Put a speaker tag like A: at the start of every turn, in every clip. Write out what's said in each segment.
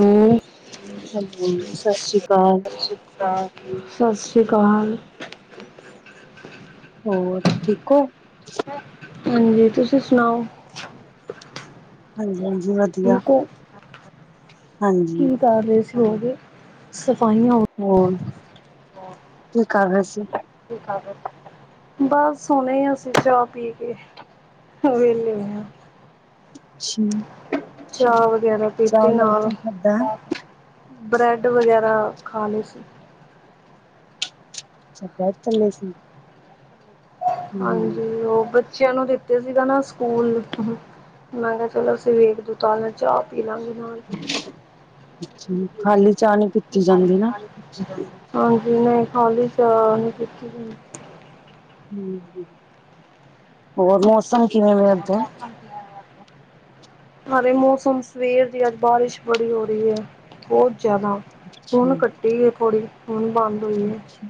A: ਸਤਿ
B: ਹੈਲੋ
A: ਸ਼੍ਰੀ
B: ਸਤਿ ਸ੍ਰੀ ਅਕਾਲ
A: ਅਕਾਲ। ਸਤਿ ਸ਼੍ਰੀ ਅਕਾਲ।
B: ਹੋਰ ਠੀਕ ਹੋ?
A: ਹਾਂਜੀ, ਤੁਸੀਂ ਸੁਣਾਓ?
B: ਹਾਂਜੀ-ਹਾਂਜੀ, ਵਧੀਆ
A: ਠੀਕ ਔ?
B: ਹਾਂਜੀ।
A: ਤਸੀ ਹੋ ਗਏ ਸਫਾਈਆਂ ਹੋ?
B: ਹੋਰ, ਕੀ ਕਰ ਰਹੇ ਸੀ?
A: ਬਸ, ਸੋਹਣੇ ਅਸੀਂ ਚਾਹ ਪੀ ਕੇ। ਹੋ ਵਿਹਲੇ।
B: ਅੱਛਾ।
A: ਚਾਹ ਵਗੈਰਾ, ਪੀਤੀ ਨਾਲ
B: ਕੀ ਖਾਧਾ
A: ਬ੍ਰੈਡ ਵਗੈਰਾ ਖਾ ਲਏ ਸੀ
B: ਚਦਾਰ ਚੱਲ ਸੀ? ਹਮ
A: ਹਾਂਜੀ, ਉਹ ਬੱਚਿਆਂ ਨੂੰ ਦਿੱਤੇ ਸੀਗਾ ਨਾ ਸਕੂਲ ਮੈਂ ਕਿਹਾ ਚਲੋ ਸਵੇਰ ਦ ਤਾਲ ਨਾਲ ਚਾਹ ਪੀ ਲਾਂਗੇ ਨਾਲ
B: ਅੱਛਾ, ਖਾਲੀ ਚਾਹ ਨੀ ਪੀਤੀ ਜਾਂਦੀ ਨਾ
A: ਹਾਂਜੀ, ਨਹੀ ਖਾਲੀ ਚਾਹ ਨੀ ਪੀਤੀ ਜਾਦੀ,
B: ਹ ਹੋਰ ਮੌਸਮ ਕਿਵੇਂ ਵੇ ਓਧਰ
A: [unintelligible] ਹਰੇ ਮੌਸਮ ਸਵੇਰ ਦੀ ਅੱਜ ਬਾਰਿਸ਼ ਬੜੀ ਹੋ ਰਹੀ ਹੈ ਬਹੁਤ ਜ਼ਿਆਦਾ
B: ਅੱਛਾ
A: ਘਟੀ ਹੈ ਥੋੜ੍ਹੀ ਹੁਨ ਬੰਦ ਹੋਈ ਹੈ
B: ਅੱਛਾ,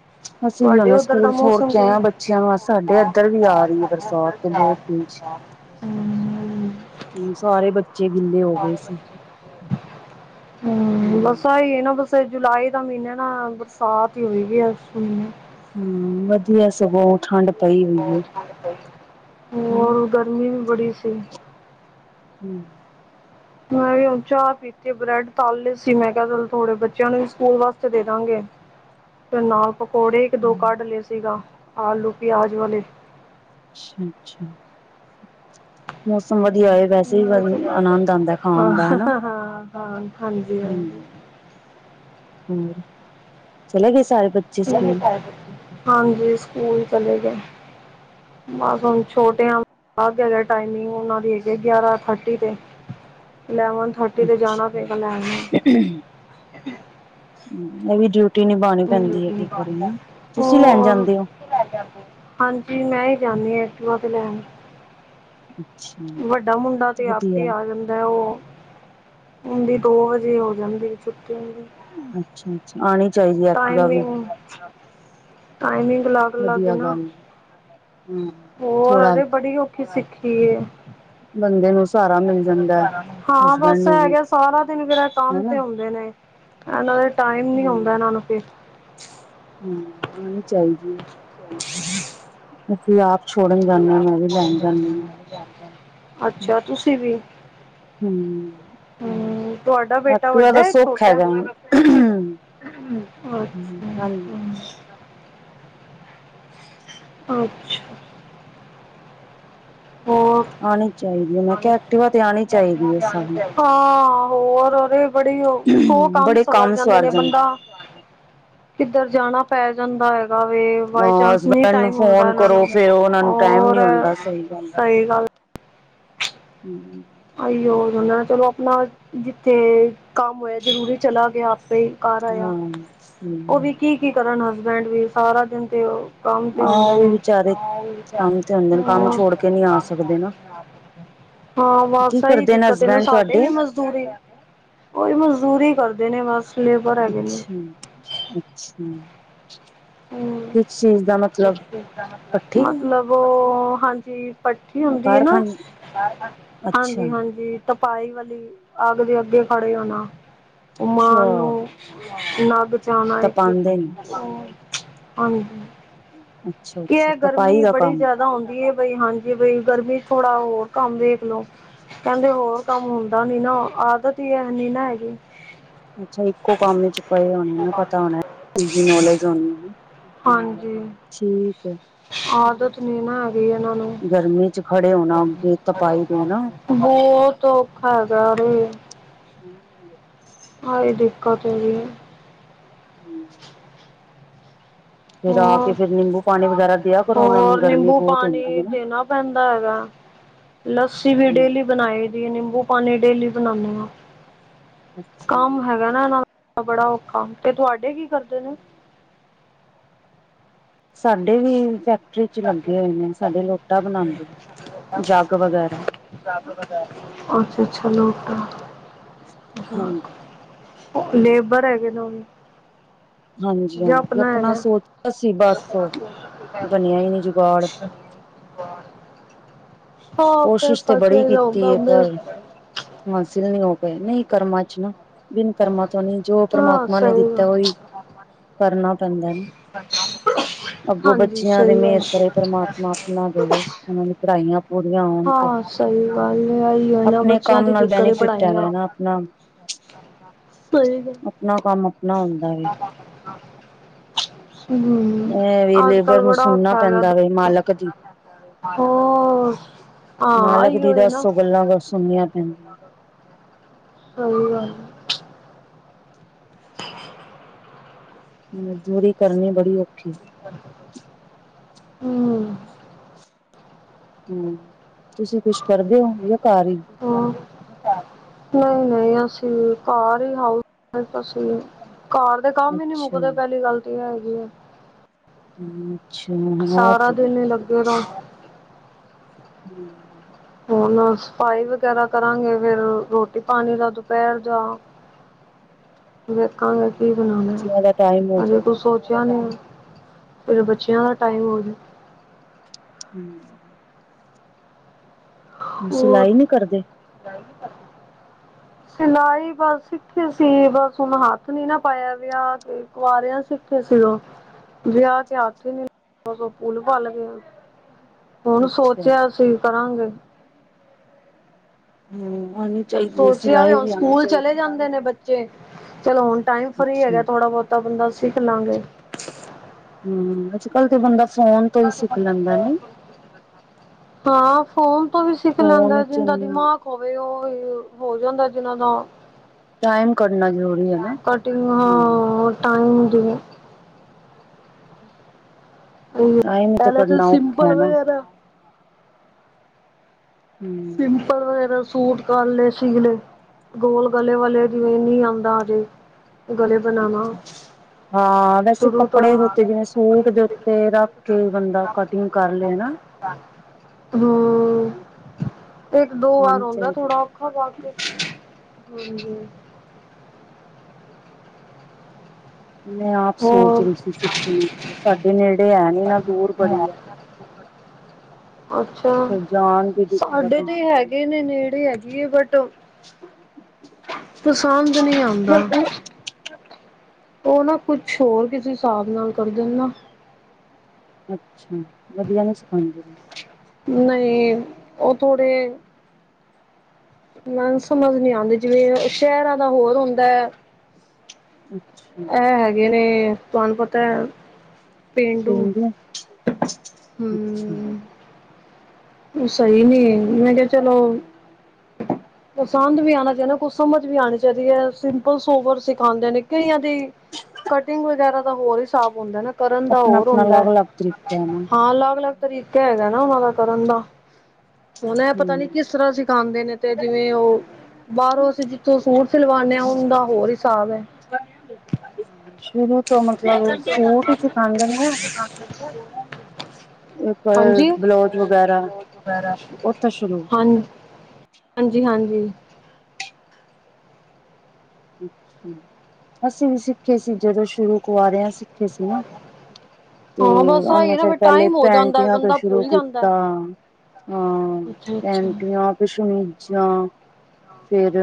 B: [inaudible] ਅਸੀਂ ਵੀ
A: ਤੁਹਾਡੇ
B: ਹੁਨੇ
A: ਉੱਧਰ ਦਾ
B: ਸਕੂਲ ਛੋੜ
A: ਮੌਸਮ
B: ਕੇ ਆਏ
A: ਕਿਵੇਂ
B: ਆ ਬੱਚਿਆਂ ਨੂੰ ਸਾਡੇ ਇੱਧਰ ਵੀ ਆ ਰੀ ਐ ਬਰਸਾਤ ਤੇ ਬੌਤ ਈ
A: [unintelligible] ਹਮ
B: ਹੂੰ, ਸਾਰੇ ਬੱ ਬੱਚੇ ਗਿੱਲੇ ਹੋ ਗਏ ਸੀ
A: ਹੂੰ
B: ਹਮ
A: ਬਸ ਆ ਹੀ ਨਾ ਬੱਸ ਜੁਲਾਈ ਦਾ ਮਹੀਨੇ ਨਾ, ਬਰਸਾਤ ਹੀ ਹੋਏਗੀ ਇਸ ਮਹੀਨੇ
B: ਹੂੰ, ਵਦੀਆ ਸਗੋਂ ਠੰਡ ਪਈ ਹੋਈ ਹੈ ਹਨਾ
A: ਹੋਰ ਗਰਮੀ ਵੀ ਬੜੀ ਸੀ
B: ਹੂੰ।
A: ਮੈਂ ਵੀ ਹੁਣ ਚਾਹ ਪੀਤੀ, ਬ੍ਰੈਡ ਤੱਲ ਲੇ ਸੀ, ਮੈਂ ਕਿਆ ਚਲ ਥੋੜੇ ਬ ਚਿਆਂ ਨੂੰ ਵੀ ਸਕੂਲ ਵਾਸਤੇ ਦੇ ਦਾਂਗੇ ਫਿਰ ਨਾਲ ਪਕੌੜੇ ਇੱਕ-ਦੋ ਕੱਢ ਲਏ ਸੀਗਾ ਆਲੂ ਪਿਆਜ਼ ਵਾਲੇ।
B: ਅੱਛਾ-ਅੱਛਾ। ਮੌਸਮ ਵਦੀਆ ਓਏ, ਵੈਸੇ ਈ ਆਨੰਦ ਆਂਦਾ ਖਾਣ ਦਾ ਹੈਨਾ
A: ਹਾਂ, ਹਾਂਜੀ-ਹਾਂਜੀ।
B: ਹੋਰ, ਚਲੇ ਗਏ ਸਾਰੇ ਬੱ
A: ਹਾਂਜੀ, ਸਕੂਲ ਚਲੇ ਗਏ। ਬਸ ਹੁਪ ਛੋਟੇਆ ਆ ਗਿਆ ਦਾ ਟਾਈਮਿੰਗ ਉਹਨਾਂ ਦੀ ਐਗੀ ਗਿਆਰਾਂ ਥਰਟੀ ਤੇ ਇਲੈਵਨਥ ਥਰਟੀ ਤੇ ਜਾਣਾ ਪਏਗਾ ਲੈਣ।
B: ਐ ਵੀ ਡਯੁ ਟੀ ਨਿਭਾਨ ਪੈਂਦੀ ਐ, ਕੀ ਕਰੀ ਨਾ, ਤੁਸੀਂ ਲੈਣ
A: ਹੋਰ
B: ਜਾਂਦੇ ਓ?
A: ਹਾਂਜੀ, ਮੈਂ ਈ ਜਾਂਦੀ ਆ ਐਕਟਿਵਾ ਤੇ ਲੈਣ
B: [inaudible]
A: ਵੱਡਾ ਮੁੰਡਾ ਤੇ ਆਪ ਈ
B: ਵਧੀਆ
A: ਆ ਜਾਂਦਾ ਐ ਉਹ ਓੱਂਦੀ, ਦੋ ਵਜੇ ਹੋ ਜਾਂਦੀ ਏ ਛੁੱਟੀ।
B: ਅੱਛਾ-ਅੱਛਾ, ਆਣੀ ਚਾਈਦੀ ਐ ਐਕਟੀਵਾ ਵੀ
A: ਅੱਛਾ। ਟਾਈਮਿੰਗ ਲਾ
B: ਵਦੀਆ ਗੱਲ ਏ, ਹੂੰ।
A: ਹੋਰ, ਅਰੇ ਬੜੀ ਔਖੀ ਸਿੱਖੀ ਏ।
B: ਬੰਦੇ ਨੂੰ ਸਾਰਾ
A: ਹਾਂ, ਬਸ ਐ ਹੈਗਾ ਸਾਰਾ ਦਿਨ ਫੇਰ ਐ ਕੰਮ
B: ਹਨਾ
A: ਤੇ ਹੁੰਦੇ ਨੇ ਇਨਾਂ ਦੇ ਟਾਈਮ ਨੀ ਹੁੰਦਾ ਇਨਾਂ ਨੂੰ ਫਿਰ
B: ਹੂੰ, ਆਣੀ ਚਾਈਦੀ ਏ।
A: [inaudible]
B: ਅਸੀ ਆਪ ਛੋੜਨ ਜਾਨੇ ਆ, ਮੈਂ ਵੀ ਲੈਣ ਜਾਨੀ ਆ।
A: ਅੱਛਾ ਤੁਸੀਂ ਵੀ
B: ਹੂੰ,
A: ਹੂੰ ਤੁਹਾਡਾ ਬੇਟਾ
B: ਐਕਟਿਵਾ ਦਾ
A: ਵੱਡਾ ਐ
B: ਸੁੱਖ
A: ਛੋਟਾ
B: ਹੈਗਾ।
A: ਐ?
B: ਹੂੰ,
A: ਅੱਛਾ
B: ਹਾਂਜੀ।
A: ਅੱਛਾ। ਹੋਰ
B: ਆਣੀ ਚਾਈਦੀ ਐ, ਮੈਂ ਕਿਆ ਐਕਟਿਵਾ ਤੇ ਆਣੀ ਚਾਈਦੀ ਸਬ ਨੂੰ
A: ਹਾਂ, ਹੋਰ ਅਰੇ ਬੜੀ ਓ, ਸੌ
B: ਨੂੰ
A: ਕੰਮ
B: ਬੜੇ
A: ਸਵਰ ਜਾਂਦੇ
B: ਸਵਾਰ
A: ਨੇ ਬੰਦਾ ਕਿੱਧਰ ਜਾਣਾ ਪੈ ਜਾਂਦਾ ਵੇ
B: ਅ
A: ਬਾਈ ਚਾਂਸ ਨੀ
B: ਹਸਬੈਂਡ ਨੂੰ
A: ਟਾਈਮ ਹੁੰਦਾ
B: ਫੋਨ
A: ਇਨਾਂ ਨੂੰ
B: ਕਰੋ ਫੇਰ ਉਹਨਾਂ ਨੂੰ ਟਾਈਮ
A: ਹੋਰ
B: ਨੀ ਹੁੰਦਾ ਸਹੀ
A: ਸਈ ਗੱਲ
B: ਹੂੰ।
A: ਅਈਓ ਹੋਂਦਾ ਚਲੋ ਅਪਣਾ ਜਿੱਥੇ ਕੰਮ ਹੋਏ ਜਰੂਰੀ ਚਲਾ ਗਿਆ ਆਪੇ ਈ
B: [unintelligible]
A: ਓ ਵੀ
B: ਗੱਲ
A: ਕੀ-ਕੀ ਕਰਨ ਹਸਬੈਂਡ ਵੀ ਸਾਰਾ ਦਿਨ ਤੇ ਓ ਕੰਮ ਤੇ
B: ਆਹ
A: ਹੁੰਦੇ
B: ਉਹ ਵੀ
A: ਨੇ,
B: ਵਿਚਾਰੇ ਕੰਮ ਤੇ ਹੁੰਦੇ ਨੇ ਕੰਮ
A: ਹੋਰ
B: ਛੋੜ ਕੇ ਨਹੀਂ ਆ ਸਕਦੇ ਨਾ
A: ਹਾਂ,
B: ਕੀ
A: ਬਸ ਐਈ
B: ਕਰਦੇ ਨੇ
A: ਦਿੱਕਤ ਏ ਨਾ
B: ਹਸਬੈਂਡ
A: ਸਾਡੇ
B: ਤੁਹਾਡੇ
A: ਵੀ ਮ ੂ ਕੋਈ, ਮਜ਼ਦੂਰੀ ਕਰਦੇ ਨੇ ਬਸ। ਲੇਬਰ ਹੈਗੇ ਨੇ
B: ਅੱਛਾ-ਅੱਛਾ
A: ਹੂੰ।
B: ਕਿਸ ਚੀਜ਼ ਦਾ ਮਤਲਬ ਭੱਠੀ?
A: ਹਾਂਜੀ-ਪੱਠੀ ਹੁੰਦੀ ਆ ਨਾ
B: ਕਾਰਖਾਨੇ ਅੱਛਾ
A: ਹਾਂਜੀ ਹਾਂਜੀ। ਤਪਾਈ ਵਾਲੀ ਅੱਗ ਦੇ ਅੱਗੇ ਖੜੇ ਹੋਣਾ ਮਾਂ
B: ਅੱਛਾ
A: ਨੂੰ ਨਗ ਜਾ ਆਉਣਾ
B: ਤਾਂ
A: ਇੱਕ ਇੱਕ
B: ਪਾਉਂਦੇ ਨੇ
A: ਹਾਂਜੀ।
B: ਅੱਛਾ
A: ਕੀ ਗਰਮੀ ਬੜੀ ਜਿਆਦਾ ਆਉਂਦੀ ਹੈ ਬਈ ਹਾਂਜੀ ਬ, ਗਰਮੀ ਚ ਥੋੜਾ ਹੋਰ ਕੰਮ ਵੇਖ ਲੋ ਕਹਿੰਦੇ ਹੋਰ ਕੰਮ ਹੁੰਦਾ ਨੀ ਨਾ ਆਦਤ ਹੀ ਹੈਨੀ ਨਾ ਹੈਗੀ
B: ਅੱਛਾ, ਇੱਕੋ ਕੰਮ ਵਿਚ ਪਏ ਹੋਣੇ ਪਤਾ ਹੋਣਾ ਚ ਨਲੇਜ ਹੋਣੀ
A: ਹਾਂਜੀ।
B: ਠੀਕ
A: ਆਦਤ ਨੀ ਨਾ ਹੈਗੀਈ ਇਹਨਾਂ ਨੂੰ।
B: ਗਰਮੀ ਚ ਖੜੇ ਹੋਣਾੱਗੇ ਤਪਾਈ ਦੇ ਨਾ
A: ਬਹੁਤ ਔਖਾ ਹੈਗਾ
B: ਹੂੰ।
A: ਹਈ ਦਿੱਕਤ ਹੋਗੀ
B: ਹਮ
A: ਹੋਰ,
B: ਨਿੰਬੂ ਪਾਣੀ ਵਗੈਰਾ ਦਿਆ ਕਰੋ ਉਹਨਾਂ ਨੂੰ
A: ਹੋਰ
B: ਗਰਮੀ
A: ਨਿੰਬੂ
B: ਬਹੁਤ ਹੁੰਦੀ ਹੈ
A: ਪਾਣੀ
B: ਨਾ
A: ਦੇਣਾ ਪੈਂਦਾ ਹੈਗਾ ਲੱਸੀ ਵੀ
B: ਹੂੰ
A: ਡੇਲੀ ਬਣਾਈ ਦੀ ਨਿੰਬੂ ਪਾਣੀ ਡੇਲੀ ਬਣਾਉਦੇ ਹ
B: ਅੱਛਾ
A: ਕੰਮ ਹੈਗਾ ਨਾ ਇਹਨਾਂ ਬੜਾ ਔਖਾ ਤੇ ਤੁਹਾਡੇ ਕੀ ਕਰਦੇ ਨੇ?
B: ਸਾਡੇ ਵੀ ਚ ਚ ਲੱਗੇ ਹੋਏ ਨੇ ਸਾਡੇ ਲੋਟਾ ਬਣਾਉਂਦੇ ਜੱਗ ਵਗੈਰਾ
A: ਉਹਔਥੇਛ ਲੋਕ
B: ਹਾਂਜੀ
A: ਤਾਂਾ ਨੇਬਰ ਹੈਗੇ ਨੇ ਉਹ ਵੀ। ਜ
B: ਹਾਂਜੀ-ਹਾਂਜੀ
A: ਆਪਣਾ ਹੈਗਾ?
B: ਸੋਚਿਆ ਸੀ ਬਸ ਬਣਿਆ ਹੀ ਨੀ ਜੁਗਾੜ
A: ਹਾਂ ਫਿਰ
B: ਕੋਸ਼ਿਸ਼ ਤੇ
A: ਸੱਚ
B: ਬੜੀ
A: ਵ
B: ਕੀਤੀ
A: ਜਾਊਂਗਾ
B: ਹੈ
A: ਮ
B: ਪਰ ਹਾਸਿਲ ਨਹੀਂ ਹੋ ਪਏ ਨਹੀਂ ਕਰਮਾਂ ਚ ਨਾ ਬਿਨ ਕਰਮਾਂ ਤੋਂ ਨੀ ਜੋ
A: ਹਾਂ
B: ਪਰਮਾਤਮਾ ਨੇ
A: ਸਹੀ
B: ਦਿੱਤਾ
A: ਗੱਲ
B: ਉਹੀ ਕਰਨਾ ਪੈਂਦਾ ਅੱਗੋਂ
A: ਹਾਂਜੀ
B: ਬੱਚਿਆਂ ਦੇ
A: ਸਹੀ ਗੱਲ
B: ਮੇਰ ਕਰੇ ਪਰਮਾਤਮਾ, ਆਪਣਾ ਦੇਵੇ ਉਹਨਾਂ ਦੀ ਪੜ੍ਹਾਈਆਂ ਪੂਰੀਆਂ ਹੋਣ ਤੇ
A: ਹਾਂ ਸਹੀ ਗੱਲ ਆਹੀ ਆ ਨਾ
B: ਆਪਣੇ
A: ਬੱਚਿਆਂ
B: ਕੰਮ
A: ਦੀ
B: ਨਾਲ
A: ਦਿੱਕਤ
B: ਬੈਨੀਫਿਟ
A: ਪੜ੍ਹਾਈਆਂ
B: ਹੈਗਾ ਨਾ ਆਪਣਾ
A: ਹੋਹੀ ਗ
B: ਆਪਣਾ ਕੰਮ ਆਪਣਾ ਹੁੰਦਾ ਵੇ
A: ਹਮ
B: ਇਹ ਵੀ
A: ਅੱਜ ਕੱਲ
B: ਲੇਬਰ ਨੂੰ
A: ਬੜਾ
B: ਸੁਣਨਾ
A: ਔਖਾ ਹੈਗਾ
B: ਪੈਂਦਾ ਵ ਮਾਲਕ ਦੀ
A: ਹੋਰ ਹਾਂ
B: ਮਾਲਕ
A: ਆਈਓ
B: ਦੀ
A: ਹੈ ਨਾ
B: ਦੱਸੋ ਗੱਲਾਂ ਸੁਣੀਆਂ ਪੈਂਦੀਆਂ
A: ਸਹੀ ਗੱਲ ਏ। [unintelligible]
B: ਮਜ਼ਦੂਰੀ ਕਰਨੀ ਬੜੀ ਔਖੀ।
A: ਹੂੰ
B: ਹੂੰ, ਤੁਸੀ ਕੁੱਛ ਕਰਦੇ ਓ ਯਾ ਘਾੱਰ ਈ।
A: ਹਾ। ਨਈ-ਨਈ ਅਸੀਂ, ਘਰ ਈ ਹਾਊਸ ਅਸੀਂ ਘਰ ਕਾੰਮ ਈ ਨੀ
B: ਅੱਛਾ
A: ਮੁੱਕਦੇ ਪੈਲੀ ਗਾੱਲ ਤੇ ਐ ਐਗੀ ਏ।
B: ਹੂੰ ਅੱਛਾ, ਹਾ ਐ ਤੇ ਹੈ।
A: [inaudible]
B: ਹੂੰ।
A: ਹੁਨ, ਸਫ਼ਾਈ ਵਗੈਰਾ ਕਰਾਂਗੇ ਫੇਰ ਰੋਟੀ-ਪਾਣੀ ਦਾ ਦੁਪੈਰ ਦਾ। ਵੇਕਾੱਗੇ
B: ਹਾਂ
A: ਕੀ
B: ਫਿਰ
A: ਬਨਾਨੈ,
B: ਬੱਚਿਆਂ ਦਾ ਟਾਈਮ ਹੋ
A: ਅਜੇ ਕੁਛ
B: ਜਾਏਗਾ
A: ਸੋਚ ਫਿਰ, ਬੱਚਿਆਂ ਦਾ ਟਾਈਮ ਹੋਵੇ
B: ਹਮ ਸਿਲਾਈ ਨੀ ਕਰਦੇ?
A: ਗੱਲ ਕੀਤਾ। ਸਿਲਾਈ ਬਸ ਸਿੱਖੀ ਸੀ ਬਸ ਹੁਣ ਹੱਥ ਨੀਨਾ ਪਾਇਆ ਵਿਆਹ ਤੇ। ਕੁਆਰਿਆਂ ਸਿੱਖੇ ਸੀ ਓ। ਵਿਆ ਕੇ ਆਖੇ ਨੀ [unintelligible] ਓ ਪੂਲ-ਪਾਲ ਗੇ ਆ। ਹੁਣ
B: ਅੱਛਾ
A: ਸੋਚੇਆ ਅਸੀਂ ਵੀ ਕਾਗੀ।
B: ਹੂੰ, [unintelligible]
A: ਸੋਚਿਆ ਵੀ ਹੁਣ ਸੁਕੂਲ ਚਲੇ ਜਾਂਦੇ ਨੇ ਬੱ ਜੇ, ਚਲੋ ਓਨ ਟਾਈਮ
B: ਹੈ
A: ਫ੍ਰੀ
B: ਅੱਛਾ
A: ਐਗੈ ਥੋੜਾ ਬੋਤਾ ਬੰਦਾ ਸਿੱਖ ਲਾਂਗੇ।
B: ਹੂੰ, ਆੱਜ-ਕਾੱਲ ਤੇ ਬੰਦਾ ਫੋਨ ਤੋ ਈ ਸਿੱਖ ਲੈਂਦਾ ਨਈ।
A: ਹਾਂ ਫੋਨ ਤੋ ਵੀ ਸਿੱਖ ਲੈਂਦੈ
B: ਫੋਨ ਚ
A: ਜਿੰਦਾ ਦਿਮਾਕ ਹੋਵੇ ਓ ਈ, ਹੋ ਜਾਂਦਾ ਜਿਨਾਂ ਦਾ।
B: ਟਾਈਮ ਕੱਢਣਾ ਜ਼ਰੂਰੀ ਹੈ ਨਾ
A: ਤੁਆਡੀ
B: ਹਾਂ
A: [unintelligible] ਟਾਈਮ ਦੀ [unintelligible]
B: ਟਾਈਮ ਹੀ ਤੇ
A: ਪੈਲੇ ਤਾ
B: ਕੱਢਣਾ ਔਖਾ
A: ਸਿੰਪਲ
B: ਹੈ ਨਾ
A: ਵਗੈਰਾ
B: ਹਮ
A: ਸਿੰਪਲ ਵਗੈਰਾ ਸੂਟ ਕਾਰਲੇ ਸੀ ਲੇ, ਗੋਲ ਗਲੇ ਵਾਲੇ [unintelligible] ਜਿਵੇਂ ਨੀ ਆਂਦਾ ਹਜੇ। ਗੱਲੇ ਬਨਾਵਾ
B: ਹਾਂ ਵੈਸੇ
A: ਸ਼ੁਰੂ ਤੋ ਈ
B: ਕੱਪੜੇ ਦੇ ਉੱਤੇ
A: ਹਮ
B: ਜਿਵੇਂ ਸੂਟ ਦੇ ਉੱਤੇ ਰੱਖ ਕੇ ਬੰਦਾ ਕਟਿੰਗ ਕਰ ਲਏ ਨਾ
A: ਇੱਕ ਦੋ ਵਾਰ
B: ਆਉਣੀ
A: ਹੁੰਦਾ
B: ਚਾਹੀਦੀ
A: ਥੋੜਾ ਹਾਂਜੀ।
B: ਮੈਂ ਆਪ ਸੋਚ
A: ਹੋਰ
B: ਰਹੀ ਸੀ ਕੁਛ ਸਾਡੇ ਨੇੜੇ ਐ ਨੀ ਨਾ ਦੂਰ ਬੜੀ ਹੈ।
A: ਅੱਛਾ
B: ਫਿਰ ਜਾਣ ਦੀ ਦਿੱਕਤ
A: ਸਾਡੇ ਤੇ
B: ਹੁੰਦੀ
A: ਹੈਗੇ
B: ਹੈ।
A: ਨੇ ਨੇੜੇ ਹੈਗੇ ਆ ਬਟ ਦੋ ਪਸੰਦ ਨਹੀਂ ਆਉਂਦਾ। ਉਹ ਨਾ ਕੁਛ ਹੋਰ ਕਿਸੇ ਹਿਸਾਬ ਨਾਲ ਕਰ ਦਿੰਦਾ।
B: ਅੱਛਾ ਵਧੀਆ ਨਹੀਂ ਸਿਖਾਉਂਦੇ।
A: ਨਹੀਂ ਉਹ ਥੋੜੇ ਸਮਝ ਨੀ ਆਉਂਦੀ ਜਿਵੇਂ ਸ਼ਹਿਰਾਂ ਦਾ ਹੋਰ ਹੁੰਦਾ ਹੈ।
B: ਅੱਛਾ।
A: ਅਗੇ ਨੇ ਤੁਹਾਨੂੰ ਪਤਾ ਪੇਂਡੂ
B: ਪੀਂਦੇ ਅੱਛਾ।
A: ਹਮ। ਸਹੀ ਨੀ ਮੈਂ ਕਿਹਾ ਚਲੋ ਪਸੰਦ ਵੀ ਆਉਣਾ ਚਾਹੀਦਾ ਕੁਛ ਸਮਝ ਵੀ ਆਉਣੀ ਚਾਹੀਦੀ ਹੈ ਸਿੰਪਲ ਸੋਵਰ ਸਿਖਾਉਂਦੇ ਨੇ। ਕਈਆ ਦੀ ਕਟਿੰਗ ਵਗੈਰਾ ਤਾਂ ਹੋਰ ਹੀ ਸਾਫ਼ ਹੁੰਦਾ ਨਾ। ਕਰਨ ਦਾ ਹੋਰ
B: ਆਪਣਾ-ਆਪਣਾ
A: ਹੁੰਦਾ
B: ਅਲੱਗ-ਅਲੱਗ ਤਰੀਕਾ ਹੈ ਨਾ।
A: ਹਾਂ ਅਲੱਗ ਅਲੱਗ ਤਰੀਕਾ ਹੈਗਾ ਨਾ ਉਹਨਾਂ ਦਾ ਕਰਨ ਦਾ। ਉਹਨਾ ਇਹ ਪਤਾ ਨੀ
B: ਹੂੰ,
A: ਕਿਸ ਤਰ੍ਹਾਂ ਸਿਖਾਉਂਦੇ ਨੇ ਤੇ ਜਿਵੇਂ ਉਹ ਬਾਹਰੋਂ ਅਸੀਂ ਜਿੱਥੋਂ ਸੂਟ ਸਿਲਵਾਉਂਦੇ ਹਾ ਉਹ ਦਾ ਹੋਰ ਹਿਸਾਬ ਹੈ।
B: ਸ਼ੁਰੂ ਮਤਲਬ ਸੂਟ ਸਿਖਾਂਦੇ ਹਾਂ ਇੱਕ ਬਲਾਉਜ ਵਗੈਰਾ।
A: ਵਗੈਰਾ
B: ਉੱਥੇ ਸ਼ੁਰੂ
A: ਹਾਂ ਹਾਂਜੀ ਹਾਂਜੀ।
B: ਅਸੀਂ ਵੀ ਸਿੱਖੇ ਸੀ ਜਦੋਂ ਸ਼ੁਰੂ ਕਵਾਰੇ ਸੀ। ਨਾ।
A: ਹਾਂ।
B: ਤੇ
A: ਬਸ
B: ਉਹਨੇ
A: ਆਹੀ ਨਾ
B: ਫਿਰ ਪਹਿਲੇ
A: ਟਾਈਮ ਹੋ ਜਾਂਦਾ
B: ਪੇਂਟੀਆ ਤੋਂ
A: ਬੰਦਾ
B: ਸ਼ੁਰੂ
A: ਭੁੱਲ ਜਾਂਦਾ
B: ਕੀਤਾ। ਹਾਂ
A: ਅੱਛਾ ਅੱਛਾ
B: ਪੈਂਟੀਆ ਤੇ ਸ਼ਮਿਜਾ। ਫੇਰ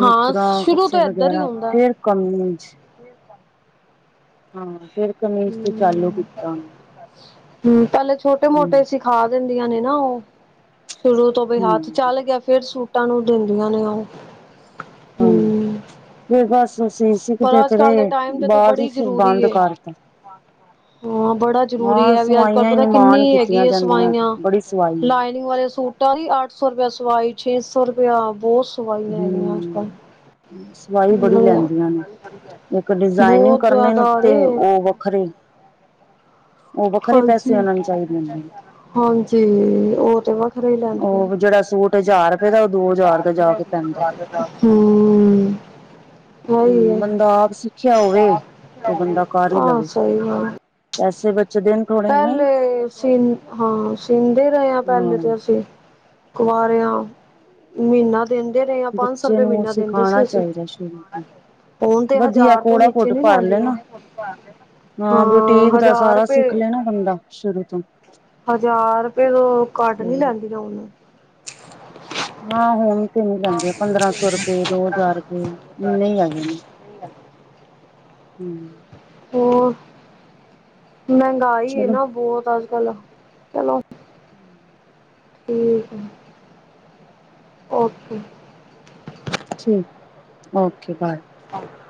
A: ਹਾਂ ਸ਼ੁਰੂ
B: ਕੱਛੇ
A: ਤੋਂ ਏਧਰ ਹੀ
B: ਵਗੈਰਾ
A: ਹੁੰਦਾ
B: ਫੇਰ ਕਮੀਜ। ਫੇਰ ਕਮੀਜ਼ ਤੇ ਚਾਲੂ ਕੀਤਾ
A: ਹਮ ਪਹਿਲੇ ਛੋਟੇ
B: ਹੂੰ
A: ਮੋਟੇ ਸਿਖਾਂਦੇ। ਸਿੱਖਾ ਦਿੰਦੀਆਂ ਨੇ ਨਾ ਉਹ ਸ਼ੁਰੂ ਤੋਂ ਬਈ ਹੱਥ ਚੱਲ ਗਿਆ ਫਿਰ ਸੂਟਾ ਟਾਂ ਨੂੰ ਦਿੰਦੀਆਂ ਨੇ ਉਹ
B: ਹਾਂ
A: ਹਮ।
B: ਫੇਰ ਬਸ ਅਸੀਂ
A: ਪਰ
B: ਸਿੱਖਦੇ
A: ਅੱਜ
B: ਤੇ
A: ਕੱਲ ਦੇ
B: ਰਹੇ
A: ਟਾਈਮ ਤੇ
B: ਬਾਅਦ ਹੀ
A: ਬੜੀ
B: ਫਿਰ
A: ਜਰੂਰੀ
B: ਬੰਦ ਕਰਤਾ
A: ਹਾਂ ਬੜਾ ਜਰੂਰੀ
B: ਹਾਂ
A: ਹੈ ਵੀ ਅੱਜ ਕੱਲ
B: ਸਵਾਈਆਂ ਹੀ
A: ਪਤਾ ਕਿੰਨੀ
B: ਨਿਮਾਣ
A: ਹੈਗੀ
B: ਕੀਤੀਆਂ
A: ਹੈ
B: ਜਾਂਦੀਆਂ
A: ਸਵਾਈਆਂ
B: ਬੜੀ ਸਵਾਈ
A: ਲਾਈਨਿੰਗ ਵਾਲੇ ਸੂਟ ਅਟਾਰੀ ਅੱਠ ਸੌ ਰੁਪਇਆ ਸਵਾਈ ਛੇਹ ਸੌ ਰੁਪਇਆ ਬਹੁਤ ਸਵਾਈਆਂ ਹੈਗੀਆਂ ਅੱਜ
B: ਹੂੰ
A: ਕੱਲ੍ਹ।
B: ਸਵਾਈ ਬੜੀ ਲੈਂਦੀਆਂ ਨੇ ਇੱਕ ਡਿਜ਼ਾਇਨਿੰਗ
A: ਬਹੁਤ
B: ਕਰਨੇ
A: ਜ਼ਿਆਦਾ
B: ਤੇ
A: ਰੇ
B: ਉਹ ਵੱਖਰੇ ਉਹ ਵੱਖਰੇ ਪੈਸੇ
A: ਹਾਂਜੀ
B: ਉਹਨਾ ਨੂੰ ਚਾਹੀਦੇ ਨੇ।
A: ਹਾਂਜੀ ਉਹ ਤੇ ਵੱਖਰੇ ਹੀ ਲੈਂਦੀਆਂ।
B: ਉਹ ਜਿਹੜਾ ਸੂਟ ਹਜ਼ਾਰ ਰੁਪਏ ਦਾ ਉਹ ਦੋ ਹਜ਼ਾਰ ਦਾ ਜਾ ਕੇ ਪੈਂਦਾ
A: ਹਮ। ਸਹੀ
B: ਹੂੰ
A: ਹੈ
B: ਬੰਦਾ ਆਪ ਸਿੱਖਿਆ ਹੋਵੇ ਤੇ ਬੰਦਾ ਕਰ ਹੀ
A: ਹਾਂ
B: ਲਵੇ
A: ਸਹੀ ਹੈ।
B: ਪੈਸੇ ਬੱਚਦੇ ਨੇ। ਥੋੜੇ ਨਹੀਂ
A: ਪਹਿਲੇ ਸੀ ਹਾਂ ਸੀਂਦੇ ਰਹੇ ਹਾਂ ਪਹਿਲੇ ਤੇ ਅਸੀਂ। ਕੁਆਰਿਆਂ ਮਹੀਨਾ ਦਿੰਦੇ ਰਹੇ ਹਾਂ ਪੰਜ ਸੌ
B: ਬੱਚੇ
A: ਰੁਪਏ
B: ਨੂੰ
A: ਮਹੀਨਾ ਦਿੰਦੇ ਸੀ
B: ਸਿਖਾਣਾ
A: ਅਸੀਂ
B: ਚਾਹੀਦਾ ਸ਼ੁਰੂ ਤੋਂ
A: ਉਹ ਤੇ
B: ਵਧੀਆ
A: ਹਜ਼ਾਰ ਤੋਂ
B: ਕੋੜਾ
A: ਨੀਚੇ
B: ਕੋਟ
A: ਨੀ
B: ਭਰ
A: ਲੈਂਦੀਆਂ।
B: ਲੈਣਾ ਹਾਂ ਬੁਟੀਕ ਦਾ
A: ਹਜ਼ਾਰ
B: ਸਾਰਾ
A: ਰੁਪਏ
B: ਸਿੱਖ ਲੈਣਾ ਬੰਦਾ ਸ਼ੁਰੂ ਤੋਂ।
A: ਹਜ਼ਾਰ ਰੁਪਏ ਤੋਂ ਘੱਟ
B: ਤੇ
A: ਨੀ ਲੈਂਦੀਆਂ‌ ਉਹ।
B: ਹਾਂ ਹੋੁਣ ਤੇ ਨੀ ਲੈਂਦੇ ਆ ਪੰਦਰਾਂ ਸੌ ਰੁਪਏ ਦੋ ਹਜ਼ਾਰ ਰੁਪਏ ਇੰਨੇ ਹੀ ਆਗੇ ਨੇ।
A: [unintelligible]
B: ਹਮ
A: ਹੋਰ ਮਹਿੰਗਾਈ
B: ਚਲੋ
A: ਨਾ ਬਹੁਤ ਅੱਜ ਕੱਲ ਚਲੋ ਠੀਕ ਹੈ ਓਕੇ
B: ਠੀਕ ਓਕੇ ਬਾਏ
A: ਾਂ